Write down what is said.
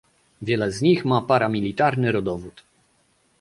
Wiele z nich ma paramilitarny rodowód